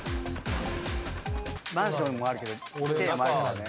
マンションもあるけど一軒家もあるからね。